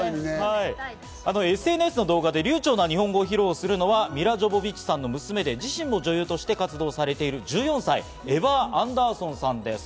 ＳＮＳの動画で流暢な日本語を披露する女性は女優ミラ・ジョヴォヴィッチさんの娘で、自身も女優として活動する１４歳のエヴァー・アンダーソンさんです。